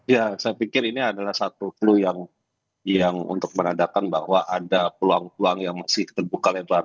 ya saya pikir ini adalah satu clue yang untuk menandakan bahwa ada peluang peluang yang masih terbuka lebar